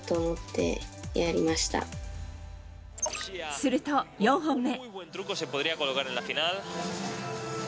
すると、４本目。